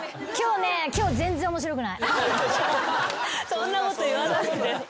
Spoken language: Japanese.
そんなこと言わないで。